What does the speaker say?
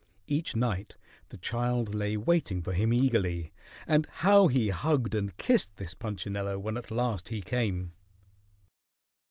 Each night the child lay waiting for him eagerly, and how he hugged and kissed this Punchinello when at last he came!